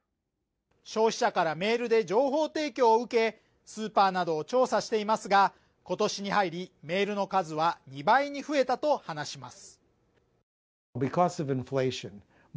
消費者からメールで情報提供を受けスーパーなどを調査していますが今年に入りメールの数は２倍に増えたと話します